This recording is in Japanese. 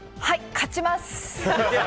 勝ちます！